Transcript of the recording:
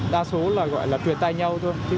đa số là gọi là truyền tay nhau thôi